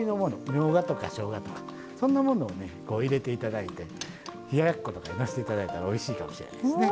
みょうがとかしょうがとかそんなものをね入れて頂いて冷ややっことかにのせて頂いたらおいしいかもしれないですね。